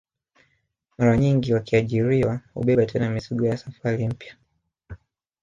Mara nyingi wakiajiriwa hubeba tena mizigo ya safari mpya